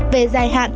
về dài hạn